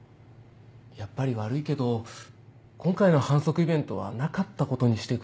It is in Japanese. やっぱり悪いけど今回の販促イベントはなかったことにしてくれるかな？